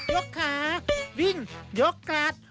ยกขายิงยกกลาด